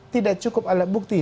tidak cukup alat bukti